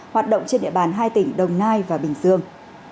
hoạt động trên địa bàn hai tỉnh đồng nai và bình dương